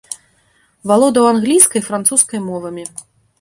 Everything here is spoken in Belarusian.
Валодаў англійскай і французскай мовамі.